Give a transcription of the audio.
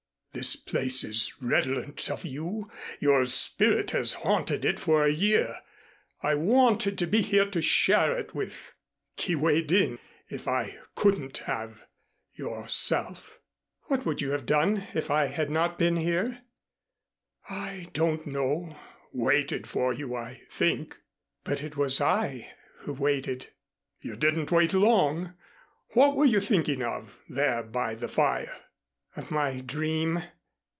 This place is redolent of you. Your spirit has haunted it for a year. I wanted to be here to share it with Kee way din, if I couldn't have yourself." "What would you have done if I had not been here?" "I don't know waited for you, I think." "But it was I who waited " "You didn't wait long. What were you thinking of, there by the fire?" "Of my dream."